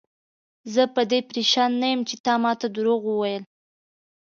زه په دې پریشان نه یم چې تا ماته دروغ وویل.